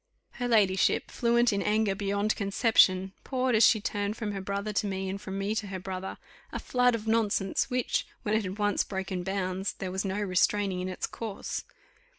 Her ladyship, fluent in anger beyond conception, poured, as she turned from her brother to me, and from me to her brother, a flood of nonsense, which, when it had once broken bounds, there was no restraining in its course.